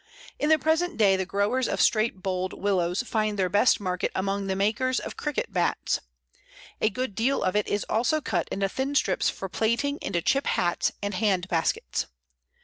In the present day the growers of straight boled Willows find their best market among the makers of cricket bats. A good deal of it is also cut into thin strips for plaiting into chip hats and hand baskets.